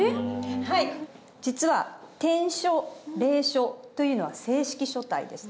はい実は篆書隷書というのは正式書体です。